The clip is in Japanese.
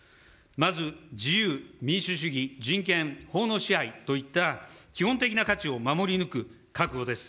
まず自由民主主義、人権、法の支配といった基本的な価値を守り抜く覚悟です。